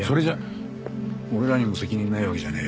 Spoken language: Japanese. いや俺らにも責任ないわけじゃねえよ。